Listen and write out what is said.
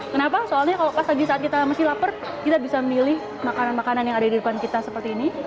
kenapa soalnya kalau pas lagi saat kita masih lapar kita bisa milih makanan makanan yang ada di depan kita seperti ini